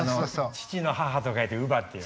乳の母と書いて乳母っていう。